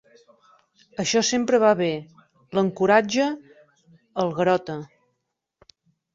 Això sempre va bé—l'encoratja el Garota.